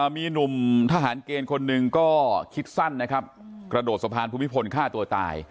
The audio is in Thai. มีหนุ่มทหารเกณฑ์คนหนึ่งก็คิดสั้นนะครับกระโดดสะพานภูมิพลฆ่าตัวตาย